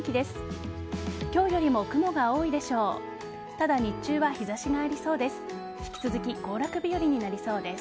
ただ日中は日差しがありそうです。